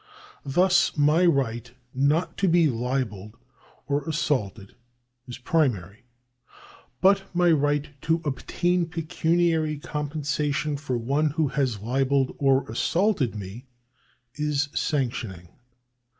Thus my right not to be libelled or assaulted is primary ; but my right to obtain pecuniary compensation from one who has libelled or assaulted me is sanctioning.